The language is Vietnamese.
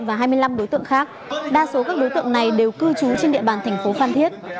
và hai mươi năm đối tượng khác đa số các đối tượng này đều cư trú trên địa bàn thành phố phan thiết